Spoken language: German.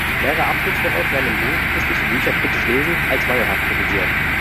Mehrere Abschnitte daraus werden im Buch "Christliche Bücher kritisch lesen" als mangelhaft kritisiert.